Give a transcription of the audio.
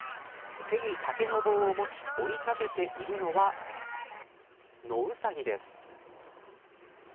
手に竹の棒を持ち追い立てているのは野ウサギです。